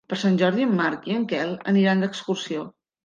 Per Sant Jordi en Marc i en Quel aniran d'excursió.